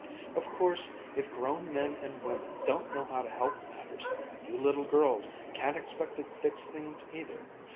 Of course, if grown men and women don't know how to help matters, you little girls can't expect to fix things either.